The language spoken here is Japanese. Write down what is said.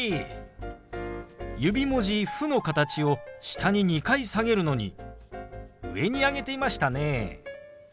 指文字「フ」の形を下に２回下げるのに上に上げていましたね。